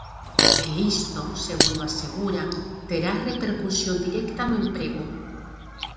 E isto, segundo aseguran, terá repercusión directa no emprego.